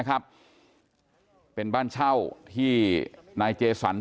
กลุ่มตัวเชียงใหม่